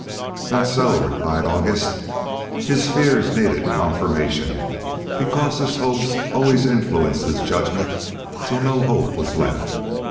"That's so," replied August. His fears needed confirmation, because his hopes always influenced his judgment till no hope was left.